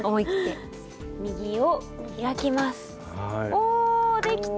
おできた！